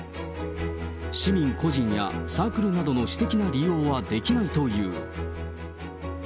市民個人やサークルなどの私的な利用はできないという。